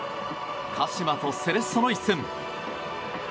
鹿島とセレッソの一戦。